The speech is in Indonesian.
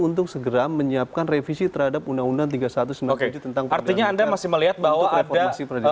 untuk segera menyiapkan revisi terhadap undang undang tiga ribu satu ratus sembilan puluh tujuh tentang artinya anda masih melihat bahwa ada